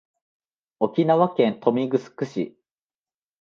沖縄県豊見城市